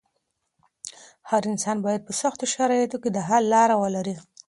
هر انسان بايد په سختو شرايطو کې د حل لاره ولري.